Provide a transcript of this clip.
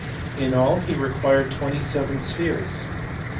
Jn all he required twenty seven spheres.